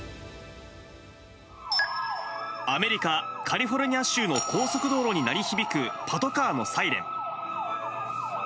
アメリカ・カリフォルニア州の高速道路に鳴り響くパトカーのサイレン。